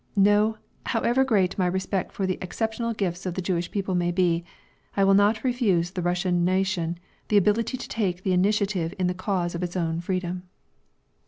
No, however great my respect for the exceptional gifts of the Jewish people may be, I will not refuse the Russian nation the ability of taking the initiative in the cause of its own freedom.